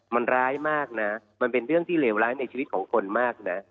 มันร้ายมากนะมันเป็นเรื่องที่เลวร้ายในชีวิตของคนมากนะ